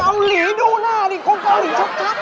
เกาหลีดูหน้าดิเขาเกาหลีชกทัก